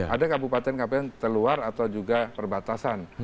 ada kabupaten kabupaten terluar atau juga perbatasan